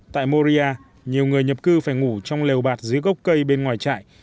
tại moria nhiều người nhập cư phải ngủ trong lều bạt dưới gốc cây bên ngoài trại